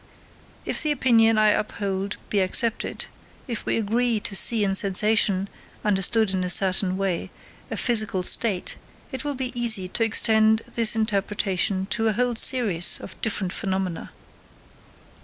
If the opinion I uphold be accepted, if we agree to see in sensation, understood in a certain way, a physical state, it will be easy to extend this interpretation to a whole series of different phenomena.